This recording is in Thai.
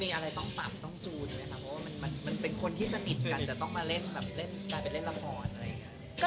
เพราะว่ามันเป็นคนที่สนิทกัน